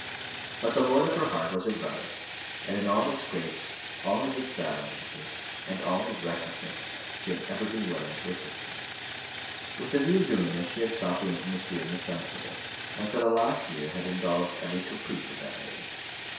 But the lord of her heart was her brother; and in all his scrapes, all his extravagances, and all his recklessness, she had ever been willing to assist him. With the view of doing this she had sought the intimacy of Miss Dunstable, and for the last year past had indulged every caprice of that lady.